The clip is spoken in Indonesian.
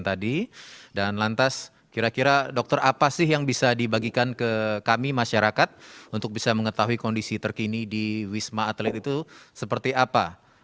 dan lantas kira kira dokter apa sih yang bisa dibagikan ke kami masyarakat untuk bisa mengetahui kondisi terkini di wisma atlet itu seperti apa